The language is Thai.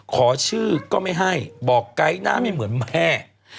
ขอชื่อก็ไม่ให้บอกไกด์หน้าไม่เหมือนแม่